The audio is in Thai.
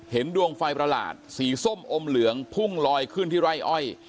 ดวงไฟประหลาดสีส้มอมเหลืองพุ่งลอยขึ้นที่ไร่อ้อย